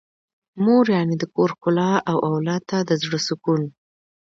مور يعنې د کور ښکلا او اولاد ته د زړه سکون.